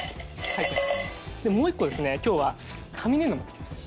もう１個ですね今日は紙粘土持ってきました。